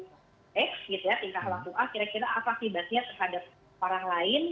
kira kira apa khibatnya terhadap orang lain